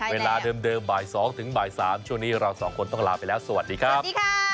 เวลาเดิมบ่าย๒ถึงบ่าย๓ช่วงนี้เราสองคนต้องลาไปแล้วสวัสดีครับ